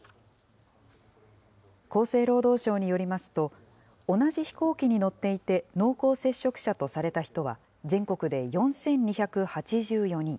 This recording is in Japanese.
厚生労働省によりますと、同じ飛行機に乗っていて、濃厚接触者とされた人は、全国で４２８４人。